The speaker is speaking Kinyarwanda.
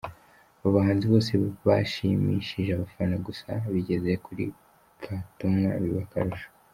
Aba bahanzi bose bashimishije abafana gusa bigeze kuri Katumwa biba akarusho.